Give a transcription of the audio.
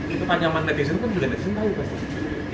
itu tanyaman netizen pun juga netizen tahu pasti